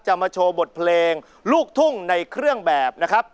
มาโชว์บทเพลงลูกทุ่งในเครื่องแบบนะครับ